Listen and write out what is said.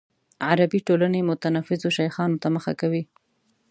عربي ټولنې متنفذو شیخانو ته مخه کوي.